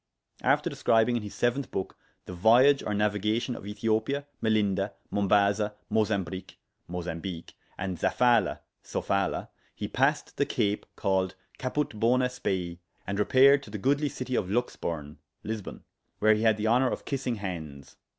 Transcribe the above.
After describing in his 7th book the viage or navigation of Ethiopia, Melinda, Mombaza, Mozambrich (Mozambique), and Zaphala (Sofala), he passed the Cape called Caput Bonæ Spei, and repaired to the goodly citie of Luxburne (Lisbon), where he had the honour of kissing hands.